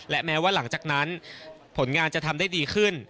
และแม้ว่าหลังจากนั้นผลงานจะทำได้ดีขึ้น